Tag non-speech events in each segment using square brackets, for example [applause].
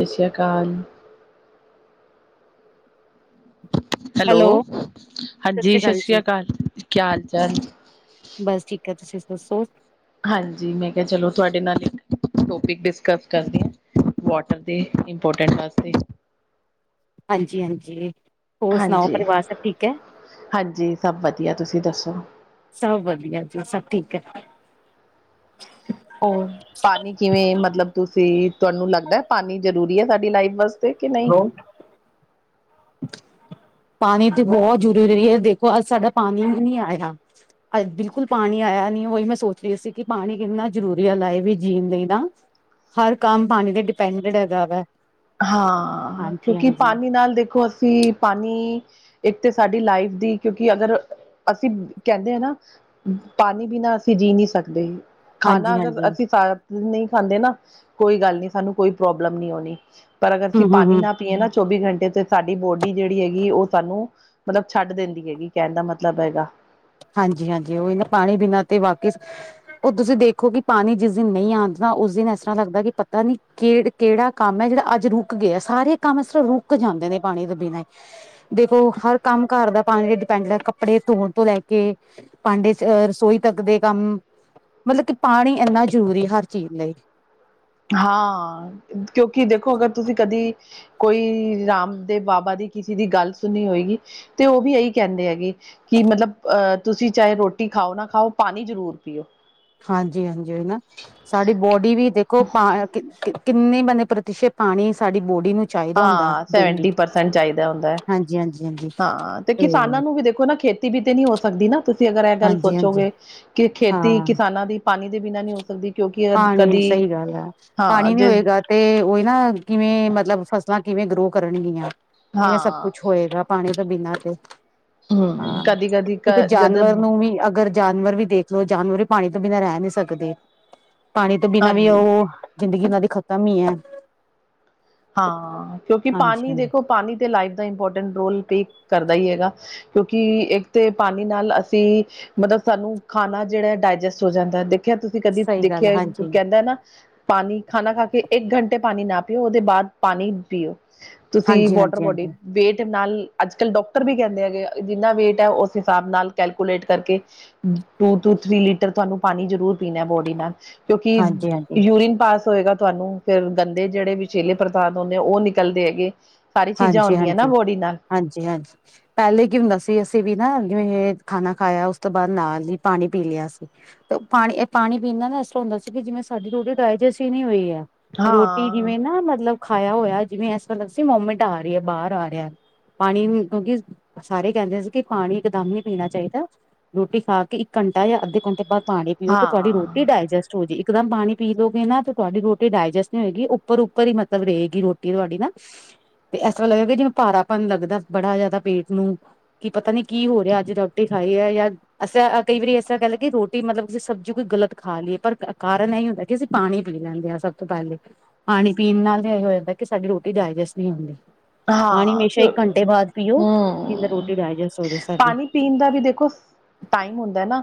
ਸਤਿ ਸ੍ਰੀ ਅਕਾਲ। ਹੈਲੋ, ਹਾਂਜੀ ਸਤਿ ਸ਼੍ਰੀ ਅਕਾਲ ਕਿਆ ਹਾਲ-ਚਾਲ? ਬਸ ਠੀਕ ਆ ਤੁਸੀਂ ਦੱਸੋ? ਹਾਂਜੀ, ਮੈਂ ਕਿਹਾ ਚਲੋ ਤੁਹਾਡੇ ਨਾਲ ਇੱਕ ਟੋਪਿਕ ਡਿਸਕਸ ਕਰਦੀ ਹਾ। ਕਰਦੇ, ਇੰਪੋਰਟੈਂਟ ਵਾਸਤੇ। ਹਾਂਜੀ-ਹਾਂਜੀ। ਹਾਂਜੀ। ਹਾਂਜੀ, ਸਭ ਵਧੀਆ ਤੁਸੀਂ ਦੱਸੋ? ਸਭ ਵਧੀਆ ਜੀ ਸਭ ਠੀਕ ਹੈ। ਹੋਰ ਪਾਣੀ ਕਿਵੇਂ ਮਤਲਬ ਤੁਸੀਂ ਤੁਹਾਨੂੰ ਲੱਗਦਾ ਪਾਣੀ ਜ਼ਰੂਰੀ ਹੈ ਸਾਡੀ ਲਾਈਫ ਬਸ। ਕਿ ਨਹੀਂ। ਪਾਣੀ ਤੇ ਬਹੁਤ ਜ਼ਰੂਰੀ ਦੇਖੋ ਅੱਜ ਸਾਡਾ ਪਾਣੀ ਵੀ ਨਹੀਂ ਆਇਆ। ਅਜ ਬਿਲਕੁਲ ਪਾਣੀ ਆਇਆ ਨੀ, ਉਹੀ ਮੈਂ ਸੋਚ ਰਹੀ ਸੀ ਕਿ ਪਾਣੀ ਕਿੰਨਾ ਜ਼ਰੂਰੀ ਐ ਲਾਈਫ ਵੀ ਜੀਣ ਲਈ ਨਾ। ਹਰ ਕੰਮ ਪਾਣੀ ਤੇ ਡਿਪੈਂਡ ਹੈਗਾ ਵਾ। ਹਾਂ। ਹਾਂਜੀ ਕਿਉਂਕਿ ਹਾਂਜੀ ਪਾਣੀ ਨਾਲ ਦੇਖੋ ਅਸੀਂ ਪਾਣੀ, ਇੱਕ ਤੇ ਸਾਡੀ ਲਾਈਫ ਦੀ, ਕਿਉਂਕਿ ਅਗਰ, ਅਸੀਂ ਕਹਿੰਦੇ ਆ ਨਾ। ਪਾਣੀ ਬਿਨਾਂ ਅਸੀਂ ਜੀਅ ਨੀ ਸਕਦੇ। ਖਾਣਾ ਹਾਂਜੀ ਅਗਰ ਹਾਂਜੀ। ਅਸੀਂ ਸਾਰਾ ਦਿਨ ਨਈ ਖਾਂਦੇ ਨਾ, ਕੋਈ ਗੱਲ ਨੀ ਸਾਨੂੰ ਕੋਈ ਪ੍ਰੋਬਲਮ ਨਈ ਹੋਣੀ। ਪਰ ਅਗਰ ਹੂੰ ਅਸੀਂ ਹੂੰ ਪਾਣੀ ਹੂੰ ਨਾ ਪੀਏ ਨਾ ਚੌਵੀ ਘੰਟੇ ਤੇ ਸਾਡੀ ਬੋਡੀ ਜਿਹੜੀ ਹੈਗੀ ਉਹ ਸਾਨੂੰ ਮਤਲਬ ਛੱਡ ਦਿੰਦੀ ਹੈਗੀ, ਕਹਿਣ ਦਾ ਮਤਲਬ ਹੈਗਾ। ਹਾਂਜੀ- ਹਾਂਜੀ ਉਹ ਨਾ, ਪਾਣੀ ਬਿਨਾਂ ਤੇ ਵਾਕੇ ਉਹ ਤੁਸੀਂ ਦੇਖੋ ਕਿ ਪਾਣੀ ਜਿਸ ਦਿਨ ਨਈ ਆਉਂਦਾ, ਉਸ ਦਿਨ ਇਸ ਤਰ੍ਹਾਂ ਲੱਗਦਾ ਕਿ ਪਤਾ ਨੀ ਕਿੜ ਕਿਹੜਾ ਕੰਮ ਐ ਜਿਹੜਾ ਅੱਜ ਰੁਕ ਗਿਆ, ਸਾਰੇ ਕੰਮ ਸਿਰਫ ਰੁਕ ਜਾਂਦੇ ਨੇ ਪਾਣੀ ਦੇ ਬਿਨਾ ਹੀ। ਦੇਖੋ ਹਰ ਕੰਮ ਘਰ ਦਾ ਪਾਣੀ ਤੇ ਡਿਪੈਂਡ ਐ, ਕੱਪੜੇ ਧੋਣ ਤੋਂ ਲੈ ਕੇ, ਭਾਂਡੇ ਆ ਰਸੋਈ ਤੱਕ ਦੇ ਕੰਮ। ਮਤਲਬ ਕਿ ਪਾਣੀ ਇੰਨਾ ਜ਼ਰੂਰੀ ਹਰ ਚੀਜ਼ ਲਈ। ਹਾਂ। ਕਿਉਂਕਿ ਦੇਖੋਂ ਅਗਰ ਤੁਸੀਂ ਕਦੀ ਕੋਈ ਰਾਮ ਦੇਵ ਬਾਬਾ ਦੀ, ਕਿਸੇ ਦੀ ਗੱਲ ਸੁਣੀ ਹੋਏਗੀ, ਤੇ ਉਹ ਵੀ ਇਹੀ ਕਹਿੰਦੇ ਹੈਗੇ। ਕੀ ਮਤਲਬ ਅਹ ਤੁਸੀਂ ਚਾਹੇ ਰੋਟੀ ਖਾਓ ਨਾ ਖਾਓ ਪਾਣੀ ਜ਼ਰੂਰ ਪੀਓ। ਹਾਂਜੀ-ਹਾਂਜੀ ਉਹੀ ਨਾ, ਸਾਡੀ ਬੋਡੀ ਵੀ ਦੇਖੋ ਕਿੰਨੇ ਬੰਦੇ ਪ੍ਰਤੀਸ਼ਤ ਪਾਣੀ ਸਾਡੀ ਬੋਡੀ ਨੂੰ ਚਾਹੀਦਾ ਹੁੰਦਾ ਹਾਂ, ਡੇਲੀ ਸੈਵਨਟੀ ਪਰਸੈਂਟ ਚਾਹੀਦਾ ਹੁੰਦਾ ਐ, ਹਾਂਜੀ ਹਾਂਜੀ ਹਾਂਜੀ ਹਾਂ ਤੇ ਕਿਸਾਨਾਂ ਨੂੰ ਵੀ ਦੇਖੋ ਨਾ ਖੇ ਚੀ ਵੀ ਤੇ ਨੀ ਹੋ ਸਕਦੀ ਨਾ ਤੁਸੀਂ ਅਗਰ ਇਹ ਗੱਲ ਹਾਂਜੀ ਹਾਂਜੀ ਸੋਚੋਗੇ ਕਿ ਖੇਤੀ ਹਾਂ ਕਿਸਾਨਾਂ ਦੀ ਪਾਣੀ ਦੇ ਬਿਨਾਂ ਨੀ ਹੋ ਸਕਦੀ। ਕਿਉਂਕਿ ਅ ਪਾਣੀ ਕਦੀ ਸਹੀ ਗੱਲ ਐ, ਹਾਂ ਪਾਣੀ ਨੀ ਜੇ ਹੋਏਗਾ ਤੇ ਉਹੀ ਨਾ ਕਿਵੇਂ ਮਤਲਬ ਫਸਲਾਂ ਕਿਵੇਂ ਗਰੋ ਕਰਨਗੀਆਂ, ਕਿਵੇਂ ਸਭ ਹਾਂ ਕੁਛ ਹੋਏਗਾ। ਪਾਣੀ ਤੋਂ ਬਿਨਾਂ ਤੇ, ਹਮ ਹਾਂ ਕਦੀ ਕਦੀ ਕ ਇੱਕ ਜਦ ਜਾਨਵਰ ਨੂੰ ਵੀ ਅਗਰ ਜਾਨਵਰ ਵੀ ਦੇਖਲੋ ਜਾਨਵਰ ਹੀ ਪਾਣੀ ਤੋਂ ਬਿਨਾਂ ਰਹਿ ਨੀ ਸਕਦੇ। ਪਾਣੀ ਤੋਂ ਬਿਨਾ ਵੀ ਹਾਂਜੀ ਉਹ, ਜ਼ਿੰਦਗੀ ਉਹਨਾਂ ਦੀ ਖ਼ਤਮ ਈ ਐ। ਹਾਂ ਕਿਉਂਕਿ ਪਾਣੀ ਦੇਖੋ ਪਾਣੀ ਤੇ ਲਾਈਫ ਦਾ ਇੰਪੋਰਟੈਂਟ ਰੋਲ ਪੇ ਕਰਦਾ ਈ ਹੈਗਾ। ਕਿਉਂਕਿ ਇੱਕ ਤੇ ਪਾਣੀ ਨਾਲ ਅਸੀਂ ਮਤਲਬ ਸਾਨੂੰ ਖਾਣਾ ਜਿਹੜਾ ਡਾਇਜੈਸਟ ਹੋ ਜਾਂਦਾ ਦੇ ਖਿਆ ਤੁਸੀਂ ਕਦੀ ਸਹੀ ਗੱਲ ਹੈ ਦੇਖਿਆ ਹਾਂਜੀ ਕਹਿੰਦਾ ਨਾ ਪਾਣੀ ਖਾਣਾ ਖਾ ਕੇ ਇੱਕ ਘੰਟੇ ਪਾਣੀ ਨਾ ਪੀਓ, ਉਹਦੇ ਬਾਅਦ ਪਾਣੀ ਪੀਓ। ਤੁਸੀਂ ਹਾਂਜੀ ਵਾਟਰ ਹਾਂਜੀ ਬੋਡੀ ਹਾਂਜੀ ਵੇਟ ਨਾਲ, ਅੱਜ ਕੱਲ੍ਹ ਡਾਕਟਰ ਵੀ ਕਹਿੰਦੇ ਹੈਗੇ, ਜਿੰਨਾ ਵੇਟ ਐ ਉਸ ਹਿਸਾਬ ਨਾਲ ਕੈਲਕੂਲੇਟ ਕਰਕੇ ਟੂ ਟੂ ਥ੍ਰਰੀ ਲੀਟਰ ਤੁਹਾਨੂੰ ਪਾਣੀ ਜ਼ਰੂਰ ਪੀਣਾ ਬੋਡੀ ਨਾਲ। ਕਿਉਂਕਿ, ਹਾਂਜੀ ਹਾਂਜੀ ਯੂਰੀਨ ਪਾਸ ਹੋਏਗਾ ਤੁਹਾਨੂੰ, ਫਿਰ ਗੰਦੇ ਜਿਹੜੇ ਵਿ਼ਸ਼ੇਲੇ ਪ੍ਰਤਾਦ ਹੁੰਦੇ ਉਹ ਨਿਕਲਦੇ ਹੈਗੇ। ਸਾਰੀ ਚੀਜ਼ਾਂ ਹੁੰਦੀਆਂ ਨਾ ਹਾਂਜੀ-ਹਾਂਜੀ, ਬੋਡੀ ਨਾਲ ਹਾਂਜੀ-ਹਾਂਜੀ। ਪੈਲੇ ਕੀ ਹੁੰਦਾ ਸੀ ਅਸੀਂ ਵੀ ਨਾ ਜਿਵੇਂ ਇਹ ਖਾਣਾ ਖਾਇਆ, ਉਸ ਤੋਂ ਬਾਅਦ ਨਾਂ ਲੀ ਪਾਣੀ ਪੀ ਲਿਆ ਸੀ। ਤੇ ਪਾਣੀ ਐ ਪਾਣੀ ਪੀਣ ਨਾਲ ਨਾ ਐਸ ਤਰਾਂ ਹੁੰਦਾ ਸੀ ਕਿ ਜਿਵੇਂ ਸਾਡੀ ਰੋਟੀ ਡਾਇਜੈਸ ਈ ਨੀ ਹੋਈ ਐ। ਰੋਟੀ ਹਾਂ ਜਿਵੇਂ ਨਾ ਮਤਲਬ ਖਾਇਆ ਹੋਇਆ ਜਿਵੇਂ ਐਸ ਤਰਾਂ ਲਗਦਾ ਸੀ ਮੋਮੈਂਟ ਆ ਰੀ ਐ ਬਾਰ ਆ ਰੇਆ। ਪਾਣੀ ਵੀ ਕਿਉਂਕਿ ਸਾਰੇ ਕੈਂਦੇ ਸੀ ਕਿ ਪਾਣੀ ਇਕਦਮ ਨੀ ਪੀਣਾ ਚਾਈਦਾ। ਰੋਟੀ ਖਾ ਕੇ ਇੱਕ ਘੰਟਾ ਜਾਂ ਅੱਧੇ ਘੰਟੇ ਬਾਅਦ ਪਾਣੀ ਪੀਓ ਕੇ ਤੁਹਾਡੀ ਰੋਟੀ ਹਾਂ ਡਾਇਜੈਸਟ ਚੋ ਜੇ ਇਕਦਮ ਪਾਣੀ ਪੀਲੋ ਗੇ ਨਾ ਫੇਰ ਤੁਹਾਡੀ ਰੋਟੀ ਡਾਇਜੈਸਟ ਨਈ ਹੋਏਗੀ ਉੱਪਰ-ਉੱਪਰ ਈ ਮਤਲਬ ਰਏਗੀ ਰੋ ਟੀ ਤੁਹਾਡੀ ਨਾ 'ਤੇ ਐਸ ਤਰਾਂ ਲੱਗੇਗਾ ਜਿਵੇਂ ਭਾਰਾਪਨ ਲੱਗਦੈ ਬੜਾ ਜਿਆਦਾ ਪੇਂਟ ਨੂੰ ਕੀ ਪਤਾ ਨੀ ਕੀ ਹੋ ਰੇਆ ਅੱਜ ਰੋਟੀ ਖਾਈ ਐ ਜਾਂ ਅਸੀਂ ਅ ਕਈ ਵਾਰੀ ਐਸ ਤਰਾਂ ਕੈਂ ਲੋ ਕਿ ਰੋਟੀ ਮਤਲਬ ਕਿਸੀ ਸਬਜ਼ੀ ਕੋਈ ਗਲਤ ਖਾ ਲੀਏ ਪਰ ਕਾਰਨ ਐਈ ਹੁੰਦਾ ਕਿ ਅਸੀ ਪਾਣੀ ਪੀ ਲੈਂਦੇ ਆ ਸਭ ਤੋਂ ਪੈਲੇ, ਪਾਣੀ ਪੀਣ ਨਾਲ ਫੇਰ ਇਝ ਹੋ ਜਾਂਦਾ ਕਿ ਸਾਡੀ ਰੋਟੀ ਡਾਇਜੈਸਟ ਨੀ ਹੁੰਦੀ। ਪਾਣੀ ਹਾਂ ਹਮੇਸ਼ਾ ਕਿਉਂ ਇੱਕ ਘੰਟੇ ਬਾਅਦ ਪੀਓ ਜਿੰਦਾ ਹੂੰ, ਰੋਟੀ ਡਾਇਜੈਸਟ ਹੋ ਜਾ ਸਾਡੀ ਪਾਣੀ ਪੀਣ ਦਾ ਵੀ ਦੇਖੋ ਟਾਈਮ ਹੁੰਦਾ ਨਾ,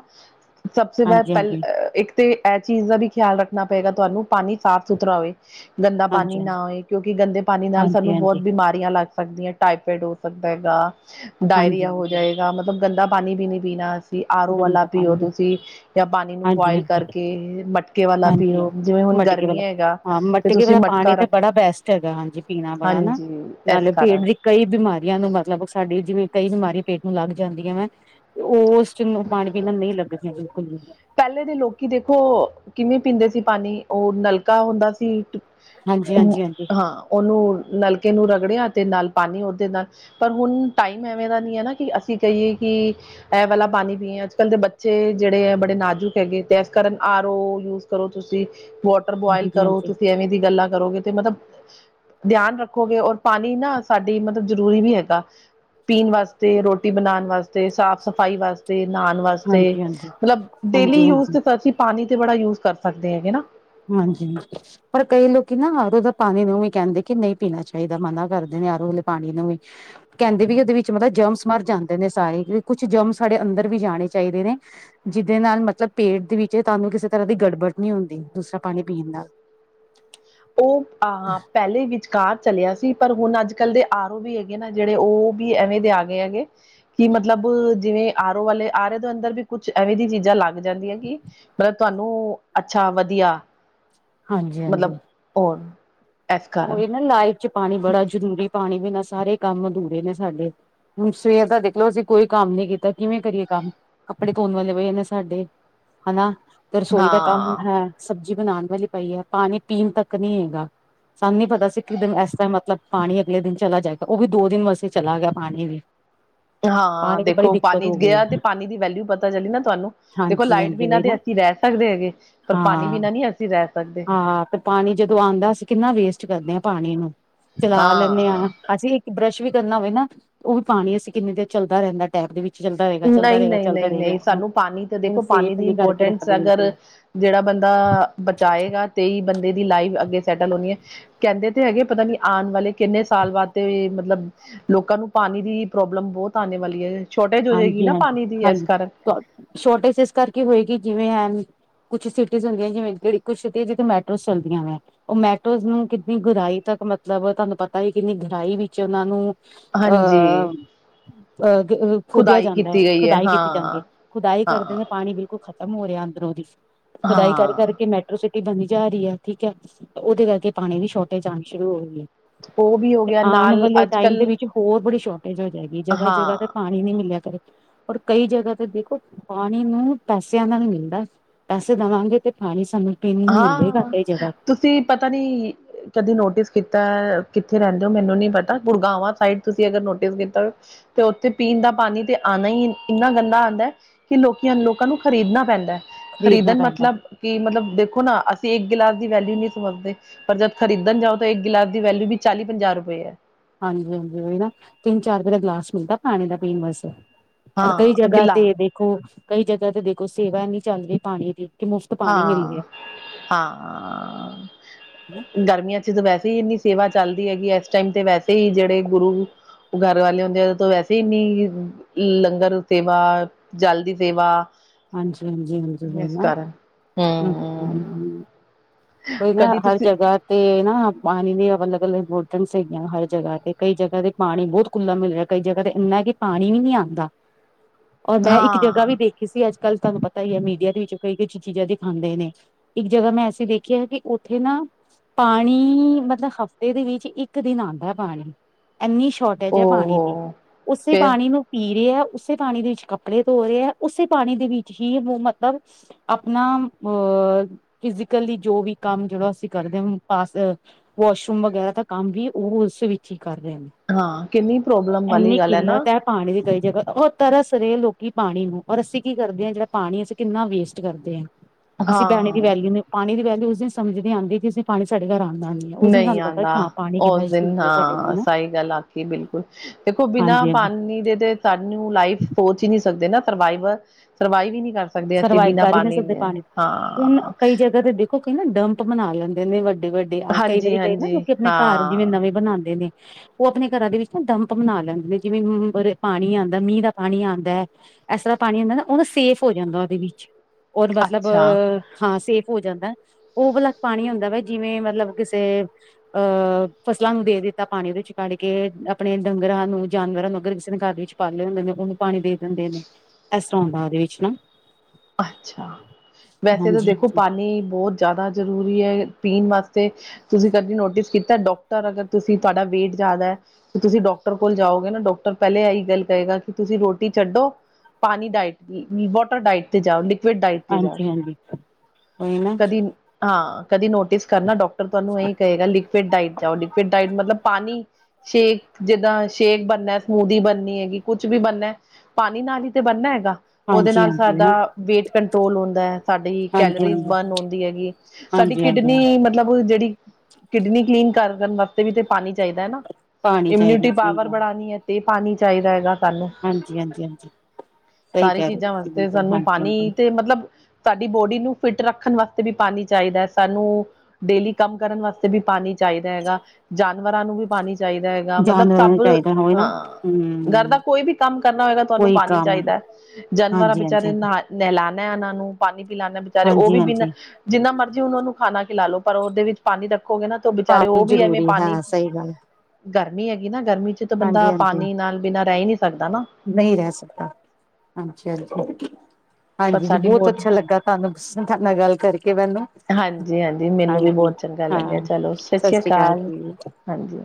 ਸਬ ਸੇ ਫੇ ਹਾਂਜੀ ਪੈਲ ਹਾਂਜੀ ਇੱਕ 'ਤੇ ਐ ਚੀਜ਼ ਦਾ ਵੀ ਖਿਆਲ ਰੱਖਣਾ ਪਏਗਾ ਤੁਹਾਨੂੰ ਪਾਣੀ ਸਾਫ਼ ਸੁਥਰਾ ਹੋਵੇ। ਗੰਦਾ ਹਾਂਜੀ ਪਾਣੀ ਨਾ ਹੋਏ ਕਿਉਂਕਿ ਗੰਦੇ ਪਾਣੀ ਨਾਲ ਹਾਂਜੀ ਸਾਨੂੰ ਬੋਤ ਹਾਂਜੀ ਬਿਮਾ ਰੀਆ ਲੱਗ ਸਕਦੀ ਐ, ਟਾਏਫਇਡ ਹੋ ਸਕਦਾ ਐਗਾ, ਹਾਂਜੀ ਡਾਇਰੀਆ ਹੋ ਹਾਂਜੀ ਜਾਏ ਜਾ ਮਤਲਬ ਗੰਦਾ ਪਾਣੀ ਵੀ ਨਈ ਪੀਣਾ ਆਰੋ ਗਰਮ ਵਾਲਾ ਦਾ ਪਾਣੀ ਪੀਓ ਤੁਸੀਂ ਜਾਂ ਪਾਣੀ ਨੂੰ ਹਾਂਜੀ ਬੋਆਇਲ ਹਾਂਜੀ ਕਰਕੇ, ਮਟਕੇ ਵਾਲਾ ਹਾਂਜੀ ਹਾਂ ਪੀਓ। ਜਿਵੇਂ ਹੁਣ ਮਟਕੇ ਗਰਮੀ ਵਾਲਾ ਹੈਗਾ। ਹਾਂ ਤੇ ਮਟਕੇ ਤੁਸੀਂ ਵਾਲਾ ਪਾਣੀ ਮਟਕਾ 'ਤੇ ਰੱਖ ਬੜਾ ਬੈਸਟ ਹੈਗਾ ਹਾਂਜੀ ਪੀਣਾ ਬੜਾ ਨਾ। ਹਾਂਜੀ ਇਸ ਨਾਲੇ ਪੇਂਟ ਕਾਰਨ ਦੀ ਕਈ ਬਿਮਾਰੀਆਂ ਨੂੰ ਮਤਲਬ ਸਾਡੀ ਜਿਵੇਂ ਕਈ ਬਿਮਾਰੀ ਪੇਂਟ ਨੂੰ ਲੱਗ ਜਾਂਦੀਆਂ ਵਾ 'ਤੇ ਉਸ ਚ‌ ਨੂੰ ਪਾਣੀ ਪੀਣ ਨਈ ਲੱਗਦੀਆਂ ਬਿਲਕੁੱਲ ਵੀ। ਪੈਲੇ ਦੇ ਲੋਕੀ ਦੇਖੋ ਕਿਵੇਂ ਪੀਂਦੇ ਸੀ ਪਾਣੀ ਓ ਨਲਕਾ ਹੁੰਦਾ ਸੀ ਹਾਂਜੀ ਹਾਂਜੀ ਹਾਂਜੀ ਹਾਂ ਉਨੂੰ ਨਲਕੇ ਨੂੰ ਰਗੜਿਆ 'ਤੇ ਨਾਲ ਪਾਣੀ ਉਦੇ ਨਾਲ ਪਰ ਹੁਣ ਟਾਈਮ ਐਵੇਂ ਦਾ ਨਹੀਂ ਹੈ ਨਾ ਕਿ ਅਸੀਂ ਕਹੀਏ ਕਿ ਐਹ ਵਾਲਾ ਪਾਣੀ ਪੀਏ ਅੱਜ ਕੱਲ ਦੇ ਬੱਚੇ ਜਿਹੜੇ ਐ ਬ ਨਾਜ਼ੁਕ ਹੈਗੇ ਤੇ ਇਸ ਕਾਰਨ ਆਰ ਓ ਯੂਜ ਕਰੋ ਤੁਸੀਂ ਵ ਟਰ ਬੁਇਲ ਹਾਂਜੀ ਹਾਂਜੀ ਕਰੋ ਤੁਸੀਂ ਐਵੇਂ ਦੀ ਗੱਲਾਂ ਕਰੋਗੇ ਤੇ ਮਤਬ ਧਿਆਨ ਰੱਖੋਗੇ ਔਰ ਪਾਣੀ ਨਾ ਸਾਡੀ ਮਤ ਜ਼ਰੂਰੀ ਵੀ ਹੈਗਾ ਪੀਨ ਵਾਸਤੇ ਰੋਟੀ ਬਣਾਉਣ ਵਾਸਤੇ ਸਾਫ਼ ਸਫ਼ਾਈ ਵਾਸ ਤੇ ਨਾਣ ਵਾਸਤੇ ਹਾਂਜੀ ਹਾਂਜੀ ਹਾਂਜੀ ਮਲਬ ਡੇਲੀ ਹਾਂਜੀ ਯੂਜ ਤੇ ਅਸੀਂ ਪਾਣੀ ਤੇ ਬੜਾ ਯੂਜ ਕਰ ਸਕਦੇ ਹੈਗੇ ਨਾ ਹਾਂਜੀ ਪਰ ਕਈ ਲੋਕੀ ਨਾ ਆਰੋਦਾ ਪਾਣੀ ਨੂੰ ਵੀ ਕਹਿੰਦੇ ਕਿ ਨਹੀਂ ਪੀਣਾ ਚਾਹੀਦਾ ਮਨਾ ਕਰਦੇ ਨੇ ਆਰੋ ਲੇ ਪਾਣੀ ਨੂੰ ਵੀ ਕਹਿੰਦੇ ਵੀ ਉਹਦੇ ਵਿੱਚ ਮਤ ਜਰਮਸ ਮਰ ਜਾਂਦੇ ਨੇ ਸਾਰੇ ਕੁਛ ਜਰਮਸ ਸਾਡੇ ਅੰਦਰ ਵੀ ਜਾਣੇ ਚਾਹੀਦੇ ਨੇ ਜਿਹਦੇ ਨਾਲ ਮਤਲਬ ਪੇਟ ਦੇ ਵਿੱਚ ਤੁਹਾਨੂੰ ਕਿਸੇ ਤਰ੍ਹਾਂ ਦੀ ਗੜਬੜ ਨਹੀਂ ਹੁੰਦੀ ਦੂਸਰਾ ਪਾਣੀ ਪੀਣ ਨਾਲ ਉਹ ਆਂ ਪਹਿਲੇ ਵਿਚਕਾਰ ਚਲਿਆ ਸੀ ਪਰ ਹੁਣ ਅੱਜ ਕੱਲ੍ਹ ਦੇ ਆਰੋ ਵੀ ਹੈਗੇ ਨਾ ਜਿਹੜੇ ਉਹ ਵੀ ਐਵੇਂ ਦੇ ਆ ਗਏ ਹੈਗੇ ਕਿ ਮਤਲਬ ਜਿਵੇਂ ਆਰੋ ਵਾਲੇ ਆਰੇ ਦੇ ਅੰਦਰ ਵੀ ਕੁਛ ਐਵੇਂ ਦੀਆਂ ਚੀਜ਼ਾਂ ਲੱਗ ਜਾਂਦੀਆਂ ਕੀ ਮਤਲਬ ਤੁਹਾਨੂੰ ਅੱਛਾ ਵਧੀਆ ਹਾਂਜੀ ਮਲਬ ਹਾਂਜੀ ਹੋਰ ਉਹ ਇਹ ਨਾ ਲਾਈਫ ਚ ਪਾਣੀ ਬੜਾ ਜ਼ਰੂਰੀ ਪਾਣੀ ਬਿਨਾਂ ਸਾਰੇ ਕੰਮ ਅਧੂਰੇ ਨੇ ਸਾਡੇ ਹੁਣ ਸਵੇਰ ਦਾ ਦੇਖਲਓ ਅਸੀਂ ਕੋਈ ਕੰਮ ਨੀ ਕੀਤਾ ਕਿਵੇਂ ਕਰੀਏ ਕੰਮ ਕੱਪੜੇ ਧੋਣ ਵਾਲੇ ਵਏ ਨੇ ਸਾਡੇ ਹਨਾ ਤੇ ਰਸੋਈ ਦਾ ਕੰਮ ਹਾਂ ਹੈ ਸਬਜ਼ੀ ਬਣਾਉਣ ਵਾਲੀ ਪਈ ਐ ਪਾਣੀ ਪੀਣ ਤੱਕ ਨਹੀਂ ਹੈਗਾ ਸਾਨੂੰ ਨੀ ਪਤਾ ਸੀ ਕਿ ਇਸ ਤਰ੍ਹਾਂ ਮਤਲਬ ਪਾਣੀ ਅਗਲੇ ਦਿਨ ਚਲਾ ਜਾਏਗਾ ਉਹ ਵੀ ਦੋ ਦਿਨ ਵਾਸੇ ਚਲਾ ਗਿਆ ਪਾਣੀ ਵੀ ਹਾਂ ਪਾਣੀ ਦੀ ਬੜੀ ਦੇਖੋ ਦਿੱਕਤ ਪਾਣੀ ਹੋ ਗਈ ਗਿਆ ਹੈ ਤੇ ਪਾਣੀ ਦੀ ਵੈਲਿਊ ਪਤਾ ਚਲੀ ਨਾ ਤੁਹਾਨੂੰ ਦੇਖੋ ਹਾਂਜੀ ਲਾਈਟ ਹਾਂਜੀ ਬਿਨਾਂ ਉਹੀ ਤੇ ਨਾ ਅਸੀਂ ਰਹਿ ਸਕਦੇ ਹੈਗੇ ਪਰ ਪਾਣੀ ਹਾਂ ਬਿਨਾਂ ਨਹੀਂ ਅਸੀਂ ਰਹਿ ਸਕਦੇ ਹਾਂ ਤੇ ਪਾਣੀ ਜਦੋਂ ਆਉਂਦਾ ਅਸੀਂ ਕਿੰਨਾ ਵੇਸਟ ਕਰਦੇ ਹਾਂ ਪਾਣੀ ਨੂੰ ਚਲਾ ਲੈਂਨੇ ਆਂ ਹਾਂ ਅਸੀਂ ਬਰੱਸ਼ ਵੀ ਕਰਨਾ ਹੋਵੇ ਨਾ ਉਹ ਵੀ ਪਾਣੀ ਅਸੀਂ ਕਿੰਨੀ ਦੇਰ ਚੱਲਦਾ ਰਹਿੰਦਾ ਐ ਨਹੀਂ ਨਹੀਂ ਨਹੀਂ ਨਹੀਂ ਉਹਨੂੰ ਸਾਨੂੰ ਪਾਣੀ ਤੇ ਦੇਖੋ ਉਹਨੂੰ ਪਾਣੀ ਸੇਫ ਦੀ ਨੀ ਕਰਕੇ ਇੰਪੋਰਟੈਂਸ ਰੱਖਦੇ ਅਗਰ ਬਿਲਕੁਲ ਜਿਹੜਾ ਬੰਦਾ ਬਚਾਏਗਾ ਤੇਈ ਬੰਦੇ ਦੀ ਲਾਈਫ ਅੱਗੇ ਸੈਟਲ ਹੋਣੀ ਐ ਕਹਿੰਦੇ ਤੇ ਹੈਗੇ ਪਤਾ ਨੀ ਆਉਣ ਵਾਲੇ ਕਿੰਨੇ ਸਾਲ ਬਾਅਦ ਤੇ ਮਤਲਬ ਲੋਕਾਂ ਨੂੰ ਪਾਨੀ ਦੀ ਪ੍ਰੋਬਲਮ ਬਹੁਤ ਆਣੇ ਵਾਲੀ ਏ ਸ਼ੋਰਟੇਜ ਜੇਗੀ ਹਾਂਜੀ ਨਾ ਹਾਂਜੀ ਪਾਣੀ ਦੀ ਐਸ ਹਾਂਜੀ ਕਾਰਨ ਸ਼ੋਰਟੇਜ ਇਸ ਕਰਕੇ ਹੋਏਗੀ ਜਿਵੇਂ ਹੈਨ ਕੁਛ ਸਿਟੀਜ਼ ਹੁੰਦੀਆਂ ਜਿਵੇਂ ਜਿਹੜੀ ਕੁਛ ਜਿੱਥੇ ਮੈਟਰੋ ਚੱਲਦੀਆਂ ਵੈਂ ਓ ਮੈਟੋਜ਼ ਨੂੰ ਕਿੰਨੀ ਗੁਰਾਈ ਤੱਕ ਮਤਲਬ ਤੁਹਾਨੂੰ ਪਤਾ ਹੀ ਕਿੰਨੀ ਗੁਰਾਈ ਵਿੱਚ ਉਹਨਾਂ ਨੂੰ ਹਾਂਜੀ ਅਹ ਅ [unintelligible] ਖੋਦਿਆ ਖੁਦਾਈ ਜਾਂਦਾ ਹੈ ਕੀਤੀ ਗਈ ਖੁਦਾਈ ਹਾਂ ਕੀਤੀ ਜਾਂਦੀ ਹੈ ਖੁਦਾਈ ਕਰਦੇ ਹਾਂ ਨ [unintelligible] ਪਾਣੀ ਬਿਲਕੁ ਖ਼ਤਮ ਹੋ ਰਿਹਾ ਅੰਦਰੋਂ ਦੀ ਖੁਦਾਈ ਕਰ ਕਰ ਪ ਹਾਂ ਕਿ ਮੈਟਰੋ ਸਿਟੀ ਬਨੀ ਜਾ ਰਹੀ ਹੈ ਠੀਕ ਹੈ ਉਹਦੇ ਕਰਕੇ ਪਾਣੀ ਦੀ ਸ਼ੋਰਟੇਜ ਆਉਣੀ ਸ਼ੁਰੂ ਹੋ ਰਹੀ ਹੈ ਉਹ ਵੀ ਹੋ ਤੇ ਗਿਆ ਆਣ ਨਾਲ ਵਾਲੇ ਅੱਜ ਟਾਈਮ ਦੇ ਕੱਲ ਵਿੱਚ ਹੋਰ ਬੜੀ ਸ਼ੋਰਟੇਜ ਹੋ ਜੇਗੀ ਜਗ੍ਹਾ ਜਗ੍ਹਾ ਤੇ ਹਾਂ ਪਾਣੀ ਨੀ ਮਿਲ ਰਿਆ ਕਰੇ ਓਰ ਕਈ ਜਗ੍ਹਾ ਤੇ ਦੇਖੋ ਪਾਣੀ ਨੂੰ ਪੈਸਿਆਂ ਦਾ ਵੀ ਮਿਲਦਾ ਪੈਸੇ ਦੇਵਾਂਗੇ ਤੇ ਪਾਣੀ ਸਾਨੂੰ ਪੀਣ ਨੂੰ ਮਿਲੇਗਾ ਹਾਂ, ਕਈ ਜਗ੍ਹਾ ਤੁਸੀਂ ਪਤਾ ਨੀ ਕਦੇ ਨੋਟਿਸ ਕੀਤਾ ਕਿਥੇ ਰਹਿੰਦੇ ਓ ਮੈਨੂੰ ਨੀ ਪਤਾ ਗੁੜਗਾਵਾਂ ਸਾਈਡ ਤੁਸੀ ਅਗਰ ਨੋਟਿਸ ਕੀਤਾ ਤੇ ਉਥੇ ਪੀਣ ਦਾ ਪਾਣੀ ਤੇ ਆਣਾ ਈ ਇੰਨਾ ਗੰਦਾ ਆਂਦਾ ਐ ਕਿ ਲੋਕੀਆਂ ਲੋਕਾਂ ਨੂੰ ਖਰੀਦਣਾ ਪੈਂਦਾ ਹੈ ਖ਼ਰੀਦਣਾ ਖਰੀਦਣ ਪੈਂਦਾ ਮਤਲਬ ਕਿ ਮਤਲਬ ਦੇ ਹੁਨ ਅਸੀ ਇੱਕ ਗਿਲਾਸ ਦੀ ਵੈਲਿਊ ਨਹੀਂ ਸਮਝਦੇ ਪਰ ਜਦ ਖਰੀਦਣ ਜਾਓ ਤਾਂ ਇੱਕ ਗਿਲਾਸ ਦੀ ਵੈਲਿਊ ਵੀ ਚਾਲੀ ਪੰਜਾਹ ਰੁਪਏ ਏ। ਹਾਂਜੀ ਹਾਂਜੀ ਉਹੀ ਨਾ ਤਿੰਨ ਚਾਰ ਰੁਪਏ ਦਾ ਗਲਾਸ ਮਿਲਦਾ ਪਾਣੀ ਦਾ ਪੀਣ ਵਾਸਤੇ ਔਰ ਕਈ ਹਾਂ ਜਗ੍ਹਾ ਗਿਲਾ ਤੇ ਦੇਖੋ ਕਈ ਜਗ੍ਹਾ ਤੇ ਦੇਖੋ ਸੇਵਾ ਏਨੀ ਚੱਲ ਰਹੀ ਪਾਣੀ ਦੀ ਕਿ ਮੁਫ਼ਤ ਪਾਣੀ ਮਿਲ ਹਾਂ ਰਿਹਾ ਹਾਂ ਹਨਾ। ਗਰਮੀਆਂ 'ਚ ਤਾਂ ਵੈਸੇ ਹੀ ਇੰਨੀ ਸੇਵਾ ਚੱਲਦੀ ਹੈ ਕਿ ਇਸ ਟਾਈਮ ਤੇ ਵੈਸੇ ਹੀ ਜਿਹੜੇ ਗੁਰੂ ਘਰ ਵਾਲੇ ਹੁੰਦੇ ਆ ਤੋਂ ਵੈਸੇ ਹੀ ਇਨੀ ਲੰਗਰ ਸੇਵਾ ਜਲ ਦੀ ਸੇਵਾ ਹਾਂਜੀ, ਹਾਂਜੀ, ਹਾਂਜੀ ਹੈ ਇਸ ਨਾ ਕਾਰਨ ਹੂੰ। ਕੋਈ ਨਾ ਕਦੀ ਹਰ ਤੁਸੀਂ ਜਗ੍ਹਾ ਤੇ ਨਾ ਪਾਣੀ ਦੀ ਮਤਲਬ ਅੱਲਗ ਅੱਲਗ ਬੋਤਲਸ ਹੈਗੀਆਂ ਹਰ ਜਗ੍ਹਾ ਤੇ ਕਈ ਜਗ੍ਹਾ ਤੇ ਪਾਣੀ ਬਹੁਤ ਕੁੂਲਾ ਮਿਲ ਰਿਹਾ ਕਈ ਜਗ੍ਹਾ ਤੇ ਇੰਨਾ ਕਿ ਪਾਣੀ ਵੀ ਨੀ ਆਂਦਾ ਔਰ ਮੈਂ ਇੱਕ ਜਗ੍ਹਾ ਵੀ ਹਾਂ ਦੇਖੀ ਸੀ ਅੱਜ ਕੱਲ੍ਹ ਤੁਹਾਨੂੰ ਪਤਾ ਹੀ ਹੈ ਮੀਡੀਆ ਦੇ ਵਿੱਚ ਕਈ ਕਈ ਚੀਜ਼ਾਂ ਦਿਖਾਂਦੇ ਨੇ। ਇੱਕ ਜਗ੍ਹਾ ਮੈਂ ਐਸੀ ਦੇਖੀ ਹੈ ਕਿ ਉਥੇ ਨਾ ਪਾਣੀ ਮਤਲਬ ਹਫ਼ਤੇ ਦੇ ਵਿੱਚ ਇੱਕ ਦਿਨ ਆਂਦਾ ਪਾਣੀ ਇੰਨੀ ਸ਼ੋਰਟ ਜ ਪਾਣੀ ਦੀ ਉਹ ਉਸੇ ਫੇਰ ਪਾਣੀ ਨੂੰ ਪੀ ਰਹੇ ਹੈ ਉਸੇ ਪਾਣੀ ਦੇ ਵਿੱਚ ਕੱਪੜੇ ਧੋ ਰਹੇ ਹੈ ਉਸੇ ਪਾਣੀ ਦੇ ਵਿੱਚ ਹੀ ਓ ਮਤਲਬ ਆਪਣਾ ਅਹ ਫਿਜ਼ਕਲੀ ਜੋ ਵੀ ਕੰਮ ਜਿਦੋ ਅਸੀਂ ਕਰਦੇ ਹ ਪਾਸ ਵਾਸ਼ਰੂਮ ਵਗੈਰਾ ਦਾ ਕੰਮ ਵੀ ਉਹ ਉਸ ਵਿੱਚ ਹੀ ਕਰ ਰਹੇ ਨੇ। ਹਾਂ ਕਿੰਨੀ ਪ੍ਰੋਬਲਮ ਵਾਲੀ ਇੰਨੀ ਗੱਲ ਹੈ ਨਾ। ਕਿੱਲਤ ਪਾਣੀ ਦੀ ਕਈ ਜਗ੍ਹਾ ਉਹ ਤਰਸ ਰਹੇ ਲੋਕੀ ਪਾਣੀ ਨੂੰ ਔਰ ਅਸੀਂ ਕੀ ਕਰਦੇ ਹਾਂ ਜਿਹੜਾ ਪਾਣੀ ਅਸੀਂ ਕਿੰਨਾ ਵੇਸਟ ਕਰਦੇ ਹਾਂ ਅਸੀਂ ਪਾਣੀ ਦੀ ਹਾਂ ਵੈਲਿਊ ਨੂੰ ਪਾਣੀ ਦੀ ਵੈਲਊ ਅਸੀਂ ਸਮਝ ਨਹੀਂ ਆਂਦੀ ਕਿ ਅਸੀਂ ਪਾਣੀ ਸਾਡੇ ਘਰ ਆਂਦਾ ਨਹੀਂ। ਨਹੀਂ ਆਂਦਾ ਉਸ ਦਿਨ ਐ ਸਾਡੇ ਲਈ ਹਾਂ ਨਾ ਸਹੀ ਗੱਲ ਆਖੀ ਬਿਲਕੁਲ ਦੇਖੋ ਬਿਨਾਂ ਹਾਂਜੀ ਹਾਂਜੀ ਪਾਣੀ ਦੇ ਤੇ ਸਾਨੂੰ ਲਾਈਫ ਸੋਚ ਹੀ ਨਹੀਂ ਸਕਦੇ ਨਾ ਸਰਵਾਈਵਰ ਸਰਵਾਈਵ ਹੀ ਨਹੀਂ ਕਰ ਸਕ ਸਰਵਾਈਵ ਕਰ ਹੀ ਨਹੀਂ ਸਕਦੇ ਪਾਣੀ ਹੁਣ ਹਾਂ ਕਈ ਜਗ੍ਹਾ ਤੇ ਦੇਖ ਉਹ ਕਹਿੰ ਨਾ ਡੰਪ ਬਨਾ ਲੈਂਦੇ ਨੇ ਵੱਡੇ ਵੱਡੇ ਕਈ ਹਾਂਜੀ ਵਾਰੀ ਕਈ ਨਾ ਹਾਂਜੀ ਲੋਕ ਆਪਣੇ ਘਰ ਜਿਵੇਂ ਹਾਂ ਨਵੇਂ ਬਣਾਂਦੇ ਨੇ। ਉਹ ਆਪਣੇ ਘਰਾਂ ਦੇ ਵਿੱਚ ਨਾ ਡੰਪ ਬਣਾ ਲੈਂਦੇ ਨੇ ਜਿਵੇਂ ਪਾਣੀ ਆਂਦਾ ਮੀਂਹ ਦਾ ਪਾਣੀ ਆਂਦਾ। ਇਸ ਤਰ੍ਹਾਂ ਪਾਣੀ ਹੁੰਦਾ ਨਾ ਉਹ ਨਾ ਸੇਫ ਹੋ ਜਾਂਦਾ ਉਹਦੇ ਵਿੱਚ ਓਹ ਮਤਲਬ ਅੱਛਾ ਹਾਂ ਸੇਫ ਹੋ ਜਾਂਦਾ। ਉਹ ਵਾਲਾ ਪਾਣੀ ਹੁੰਦਾ ਵਾ ਜਿਵੇਂ ਮਤਲਬ ਕਿਸੇ ਅਹ ਫਸਲਾਂ ਨੂੰ ਦੇ ਦਿੱਤਾ ਪਾਣੀ ਉਹਦੇ ਵਿੱਚ ਕੱਢ ਕੇ ਆਪਣੇ ਡੰਗਰਾਂ ਨੂੰ ਜਾਨਵਰਾਂ ਨੂੰ ਅਗਰ ਕਿਸੇ ਨੇ ਘਰ ਵਿੱਚ ਪਾਲੇ ਹੁੰਦੇ ਨੇ ਉਹਨੂੰ ਪਾਣੀ ਦੇ ਦਿੰਦੇ ਨੇ ਇਸ ਤਰ੍ਹਾਂਂ ਹੁੰਦਾ ਉਹਦੇ ਵਿੱਚ ਨਾ ਅੱਛਾ ਵੈਸੇ ਤਾਂ ਹਾਂਜੀ ਦੇਖੋ ਹਾਂਜੀ ਪਾਣੀ ਬਹੁਤ ਜ਼ਿਆਦਾ ਜ਼ਰੂਰੀ ਹੈ ਪੀਣ ਵਾਸਤੇ ਤੁਸੀਂ ਕਦੀ ਨੋਟਿਸ ਕੀਤਾ ਡਾਕਟਰ ਅਗਰ ਤੁਸੀਂ ਤੁਹਾਡਾ ਵੇਟ ਜ਼ਿਆਦਾ ਏ ਤੇ ਤੁਸੀਂ ਡਾਕਟਰ ਕੋਲ ਜਾਓਗੇ ਨਾ ਡਾਕਟ ਰ ਪਹਿਲ ਲੇ ਇਹੀ ਗੱਲ ਕਹੇਗਾ ਕਿ ਤੁਸੀਂ ਰੋਟੀ ਛੱਡੋ ਪਾਣੀ ਡਾਇਟ ਦੀ ਵਾਟਰ ਡਾਇਟ ਤੇ ਜਾਓ ਲਿ ਫਿਰ ਡਾਇਟ ਤੇ ਜਾਓ ਹਾਂਜੀ ਹਾਂਜੀ ਉਹੀ ਨਾ ਕਦੀ ਹਾਂ ਕਦੀ ਨੋਟਿਸ ਕਰਨਾ ਡਾਕਟਰ ਤੁਹਾਨੂੰ ਇਹੀ ਕਹੇਗਾ ਲਿਕੁਿਡ ਡਾਇਟ ਜਾਓ ਲਿਕੁਵਿਡ ਡਾਇਟ ਮਤਲਬ ਪਾਣੀ ਸ਼ੇਕ ਜਿੱਦਾਂ ਸ਼ੇਕ ਬਣਨਾ ਸਮੂਦੀ ਬਣਨੀ ਹੈਗੀ ਕੁਛ ਵੀ ਬਣਨਾ। ਪਾਣੀ ਨਾਲ ਹੀ ਤੇ ਬਣਨਾ ਹੈਗਾ ਉਹਦੇ ਹਾਂਜੀ ਨਾਲ ਹਾਂਜੀ ਸਾਡਾ ਨਾ ਵੇਟ ਕੰਟਰੋਲ ਹੁੰਦਾ ਸਾਡੀ ਹਾਂਜੀ ਕੈਲਰੀਜ਼ ਹਾਂਜੀ ਬਰਨ ਹੁੰਦੀ ਹੈਗੀ ਸਾਡੀ ਹਾਂਜੀ ਹਾਂਜੀ ਕਿਡਨੀ ਮਤਲਬ ਜਿਹੜੀ ਕਿਡਨੀ ਕਲੀਨ ਕਰਨ ਵਾਸਤੇ ਵੀ ਤੇ ਪਾਣੀ ਚਾਹੀਦਾ ਹੈ ਨਾ। ਪਾਣੀ ਚਾਹੀਦਾ ਇਮਿਊਨਿਟੀ ਸਹੀ ਪਾਵਰ ਗੱਲ ਬੜਾਉਣੀ ਹੈ ਤੇ ਪਾਣੀ ਚਾਹੀਦਾ ਹੈਗਾ। ਸਾਨੂੰ ਹਾਂਜੀ ਹਾਂਜੀ ਹਾਂਜੀ ਸਹੀ ਸਾਰੀ ਕਹਿ ਰਹੇ ਚੀਜ਼ਾਂ ਤੁਸੀਂ ਵਾਸਤੇ ਬਿਲਕੁਲ ਸਾਨੂੰ ਹਾਂਜੀ ਪਾਣੀ ਹਾਂਜੀ ਤੇ ਤੇ ਮਤਲਬ ਸਾਡੀ ਬੋਡੀ ਨੂੰ ਫਿਟ ਰੱਖਣ ਵਾਸਤੇ ਵੀ ਪਾਣੀ ਚਾਹੀਦਾ ਏ ਸਾਨੂੰ ਡੇਲੀ ਕੰਮ ਕਰਨ ਵਾਸਤੇ ਵੀ ਪਾਣੀ ਚਾਈਦਾ ਹੈਗਾ, ਜਾਨਵਰਾਂ ਨੂੰ ਵੀ ਪਾਣੀ ਚਾਈਦਾ ਹੈਗਾ। ਯ ਮਤਲਬ ਜਾਨਵਰਾਂ ਨੂੰ ਸਭ ਚਾਹੀਦਾ ਹੋਵੇ ਨਾ ਹਾਂ, ਗਰ ਹਮ ਦਾ ਕੋਈ ਵੀ ਕੰਮ ਕਰਨਾ ਹੋਏਗਾ ਤੁਆਨੂੰ ਕੋਈ ਪਾਣੀ ਕੰਮ ਚਾਈਦਾ। ਜਾਨਵਰਾਂ ਹਾਂਜੀ ਹਾਂਜੀ ਬੇਚਾਰੇ ਹਾਂਜੀ ਨਾਹ ਨੇਲਾਣਾ ਓਨਾਂ ਨੂੰ ਪਾਣੀ ਪਿਲਾਣਾ ਬੇਚਾਰੇ ਓਹ ਹਾਂਜੀ ਵੀ ਬਿਨਾਂ ਹਾਂਜੀ ਜਿੰਨਾ ਮਰਜ਼ੀ ਓਨਾ ਨੂੰ ਖਾਣਾ ਖਿਲਾਲੋ ਪਰ ਓਦੇ ਵਿੱਚ ਪਾਣੀ ਰੱਖੋਗੇ ਨਾ ਤੇ ਬੇਚਾਰੇ ਓ ਪਾਣੀ ਵੀ ਐਵੇਂ ਜ਼ਰੂਰੀ ਹੈ ਪਾਣੀ ਸਹੀ ਗੱਲ ਗਰਮੀ ਹੈਗੀ ਨਾ, ਗਰਮੀ ਚ ਤਾਂ ਬੰਦਾ ਹਾਂਜੀ ਪਾਣੀ ਨਾਲ ਬਿਨਾਂ ਰੈ ਈ ਨਈ ਸਕਦਾ ਹਨਾ। ਨਈ ਰੈ ਸਕਦਾ ਹਾਂਜੀ-ਹਾਂਜੀ਼। ਪਰ ਹਾਂਜੀ ਜੀ ਸਾਡੀ ਬੋਤ ਬੋਡ ਅੱਛਾ ਲੱਗਾ ਤਾਨੂੰ ਸ ਤਾਡੇ ਨਾਲ ਗੱਲ ਕਰਕੇ ਮੈਨੂੰ, ਹਾਂਜੀ-ਹਾਂਜੀ ਮੈਨੂੰ ਵੀ ਹਾਂਜੀ। ਬਹੁਤ ਚੰਗਾ ਹਾਂ ਲੱਗੇਆ ਚਲੋ, ਸਤਿ ਸ੍ਰੀ ਅਕਾਲ, ਹਾਂਜੀ।